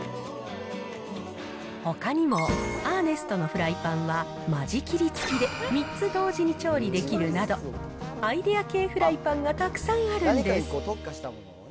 ほかにも、アーネストのフライパンは間仕切り付きで、３つ同時に調理できるなど、アイデア系フライパンがたくさんあるんです。